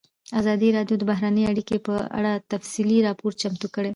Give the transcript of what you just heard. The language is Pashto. ازادي راډیو د بهرنۍ اړیکې په اړه تفصیلي راپور چمتو کړی.